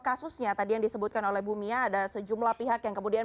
kasusnya tadi yang disebutkan oleh bu mia ada sejumlah pihak yang kemudian